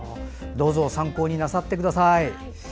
どうぞ参考になさってください。